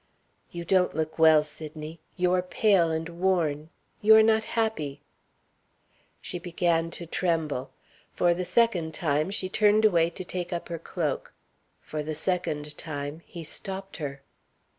"You don't look well, Sydney. You are pale and worn you are not happy." She began to tremble. For the second time, she turned away to take up her cloak. For the second time, he stopped her.